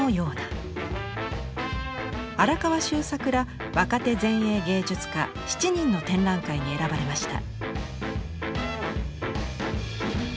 荒川修作ら若手前衛芸術家７人の展覧会に選ばれました。